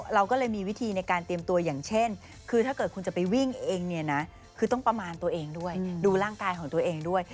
เราก็เลยมีวิธีในการเตรียมตัวอย่างเช่นคือถ้าเกิดคุณจะไปวิ่งเองเนี่ยนะคือต้องประมาณตัวเองด้วยดูร่างกายของตัวเองด้วย